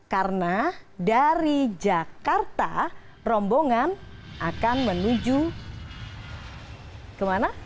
karena dari jakarta rombongan akan menuju kemana